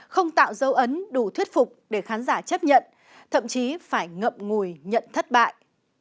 không tạo dấu ấn đủ thuyết phục để khán giả chấp nhận thậm chí phải ngậm ngùi nhận thất bại